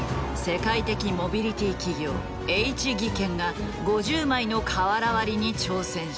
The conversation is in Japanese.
世界的モビリティー企業Ｈ技研が５０枚の瓦割りに挑戦した。